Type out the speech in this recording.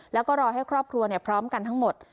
แล้วก็รอให้ครอบครัวพร้อมกันทั้งหมด